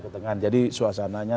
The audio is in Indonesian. tidak ada ketegangan